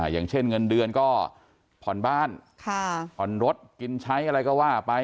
อย่างเช่นเงินเดือนก็ผ่อนบ้านผ่อนรถกินใช้อะไรก็ว่าไป